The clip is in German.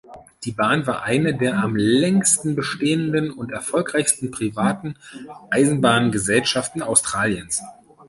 Die Bahn war eine der am längsten bestehenden und erfolgreichsten privaten Eisenbahngesellschaften Australiens.